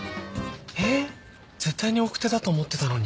えっ絶対に奥手だと思ってたのに。